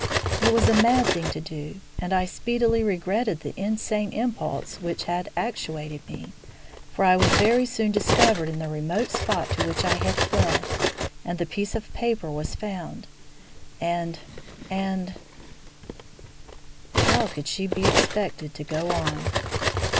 It was a mad thing to do, and I speedily regretted the insane impulse which had actuated me, for I was very soon discovered in the remote spot to which I had fled, and the piece of paper was found, and and " How could she be expected to go on?